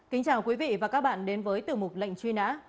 kính chào quý vị và các bạn đến với tiểu mục lệnh truy nã